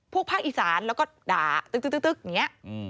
ภาคอีสานแล้วก็ด่าตึ๊กอย่างนี้